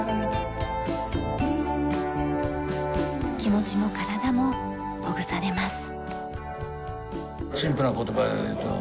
気持ちも体もほぐされます。